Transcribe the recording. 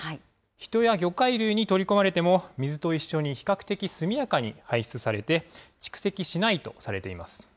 人や魚介類に取り込まれても、水と一緒に比較的速やかに排出されて、蓄積しないとされています。